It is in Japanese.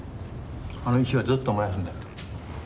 あの火はずっと燃やすんだよ。